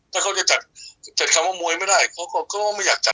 ถ้าเขาจะจัดจัดคำว่ามวยไม่ได้เขาก็ไม่อยากจัด